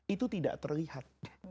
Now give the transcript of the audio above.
itu tidak terlihat